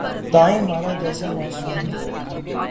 دائیں مارا جسا معصوم لاگ